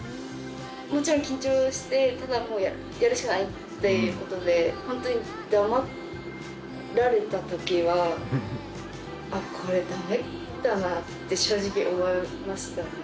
もちろん緊張してただもうやるしかないっていうことでホントに黙られたときはあっこれダメだなって正直思いましたね